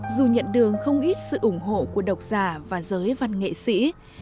dù nhận được không ít sự ủng hộ của độc giả và giới văn nghệ sĩ